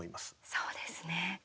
そうですね。